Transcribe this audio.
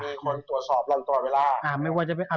มีคนตรวจสอบลังตัวเวลา